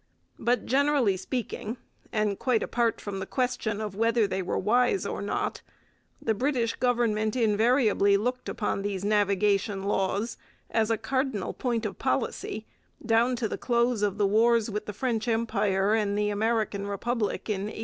But, generally speaking, and quite apart from the question of whether they were wise or not, the British government invariably looked upon these navigation laws as a cardinal point of policy down to the close of the wars with the French Empire and the American Republic in 1815.